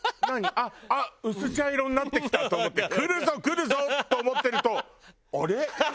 あっ薄茶色になってきたと思ってくるぞくるぞ！と思ってると。